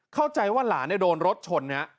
เข้าใจว่าหลานเนี่ยโดนรถชนเนี่ย